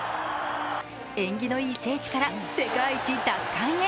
縁起のいい聖地から世界一奪還へ。